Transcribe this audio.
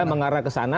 mengarah ke sana